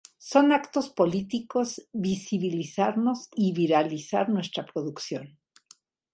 son actos políticos visibilizarnos y viralizar nuestra producción